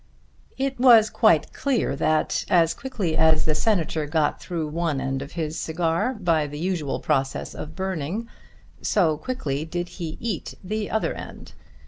It was quite clear that as quickly as the Senator got through one end of his cigar by the usual process of burning, so quickly did he eat the other end.